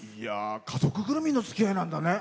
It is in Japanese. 家族ぐるみのつきあいなんだね。